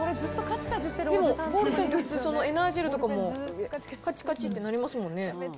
でも、ボールペンって普通、エナージェルとかもかちかちって鳴りますもんね。